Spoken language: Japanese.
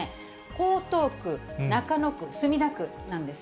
江東区、中野区、墨田区なんです。